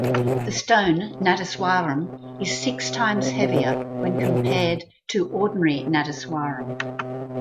The stone nadaswaram is six times heavier when compared to ordinary nadaswaram.